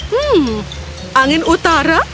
hmm angin utara